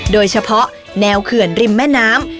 โดยเฉพาะแนวเขื่อนริมแม่น้ำ